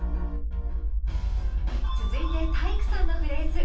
続いて体育さんのフレーズ。